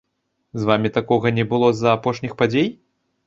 З вамі такога не было з-за апошніх падзей?